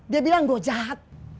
dia bilang gue jahat